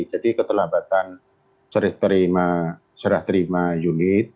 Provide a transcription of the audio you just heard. jadi ketelabatan serah terima unit